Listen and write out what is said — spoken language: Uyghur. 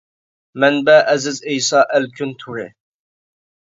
مەنبە ئەزىز ئەيسا ئەلكۈن تورى.